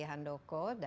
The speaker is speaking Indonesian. laksanasi dan kepala badan